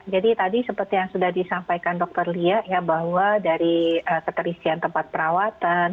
jadi tadi seperti yang sudah disampaikan dokter lia ya bahwa dari keterisian tempat perawatan